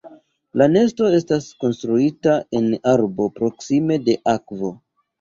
La nesto estas konstruita en arbo proksime de akvo.